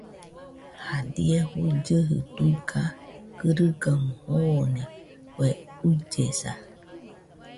Jadie juillɨji tuiga kɨrɨgaɨmo joone kue ullesa.